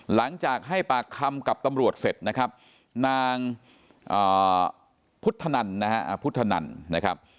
หลังจากให้ปากคำกับตำรวจเสร็จนะครับนางพุทธนันนะครับ